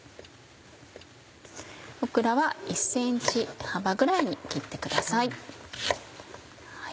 オクラは１ｃｍ幅ぐらいに切ってください。